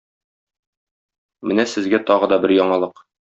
Менә сезгә тагы да бер яңалык.